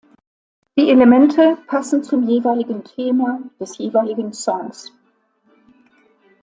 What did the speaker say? Die Elemente passen zum jeweiligen Thema des jeweiligen Songs.